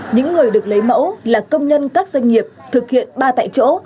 những người được lấy mẫu là công nhân các doanh nghiệp thực hiện ba tại chỗ